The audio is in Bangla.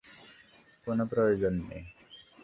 কোন প্রয়োজন নেই।